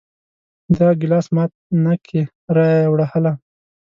دا ګلاس مات نه کې را یې وړه هله!